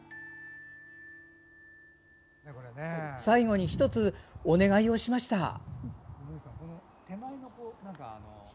最後に、１つお願いをしました。